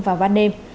vào ban đêm